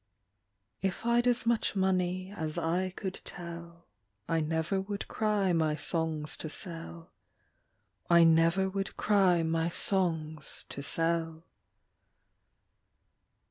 If I d as much money as I could tell, I never would cry my songs to sell, I never would cry my songs to sell.